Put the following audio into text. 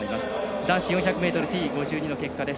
男子４００ｍＴ５２の結果です。